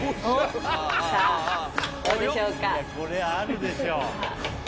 さぁどうでしょうか？